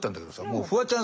もうフワちゃん